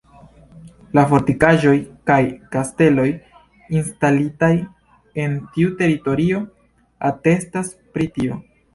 La fortikaĵoj kaj kasteloj instalitaj en tiu teritorio atestas pri tio.